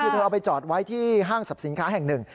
คือเธอเอาไปจอดไว้ที่ห้างสรรพสินค้าแห่งหนึ่ง